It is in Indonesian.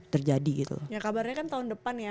terjadi gitu ya kabarnya kan tahun depan ya